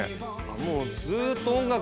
もうずっと音楽連続で？